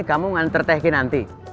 kamu nganter tehki nanti